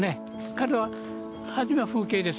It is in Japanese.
彼は初めは風景です。